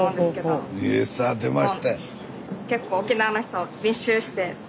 結構沖縄の人密集して。